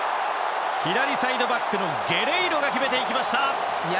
左サイドバックのゲレイロが決めていきました！